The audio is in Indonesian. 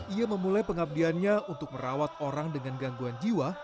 ia memulai pengabdiannya untuk merawat orang dengan gangguan jiwa